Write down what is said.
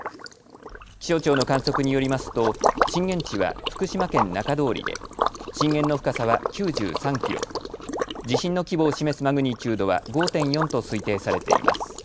気象庁の観測によりますと震源地は福島県中通りで震源の深さは９３キロ、地震の規模を示すマグニチュードは５．４と推定されています。